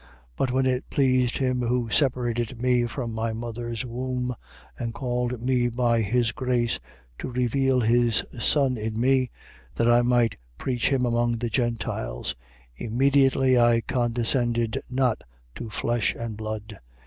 1:15. But when it pleased him who separated me from my mother's womb and called me by his grace, 1:16. To reveal his Son in me, that I might preach him among the Gentiles: immediately I condescended not to flesh and blood.